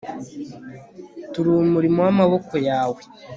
turi umurimo w amaboko yawe